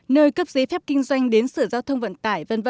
nơi cấp giấy phép kinh doanh đến sửa giao thông vận tải v v